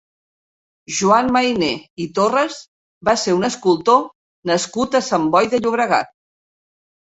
Joan Mayné i Torras va ser un escultor nascut a Sant Boi de Llobregat.